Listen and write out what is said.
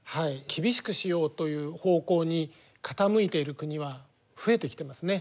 厳しくしようという方向に傾いている国は増えてきてますね。